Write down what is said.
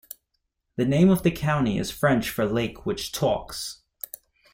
The name of the county is French for lake which talks.